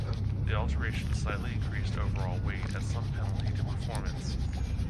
The alterations slightly increased overall weight at some penalty to performance.